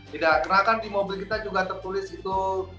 tidak karena kan di mobil kita juga tertulis itu